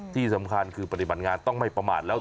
ที่สำคัญคือปฏิบัติงานต้องไม่ประมาทแล้ว